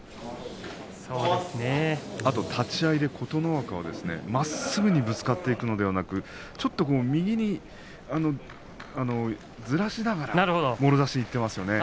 琴ノ若はまっすぐぶつかっていくのではなく右にずらしながらもろ差しにいっていますね。